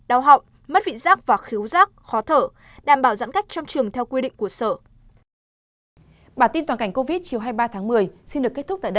đau học mất vị giác và khiếu giác khó thở đảm bảo giãn cách trong trường theo quy định của sở